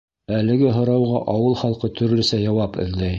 Әлеге һорауға ауыл халҡы төрлөсә яуап эҙләй.